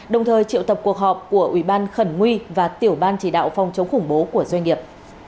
đồng thời triệu tập cuộc họp của ủy ban khẩn nguy và tiểu ban chỉ đạo phòng chống khủng bố của doanh nghiệp